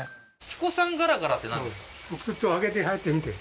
ヒコサンがらがらってなんですか？